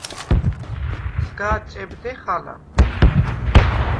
სგა̄დჭებდეხ ალა.